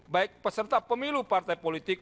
baik peserta pemilu partai politik